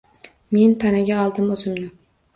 Men panaga oldim o’zimni